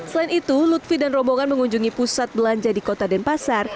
selain itu lutfi dan rombongan mengunjungi pusat belanja di kota denpasar